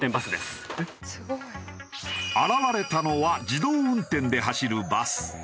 現れたのは自動運転で走るバス。